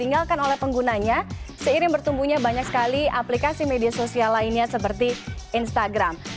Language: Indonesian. tinggalkan oleh penggunanya seiring bertumbuhnya banyak sekali aplikasi media sosial lainnya seperti instagram